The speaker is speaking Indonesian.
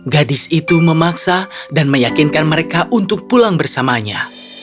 gadis itu memaksa dan meyakinkan mereka untuk pulang bersamanya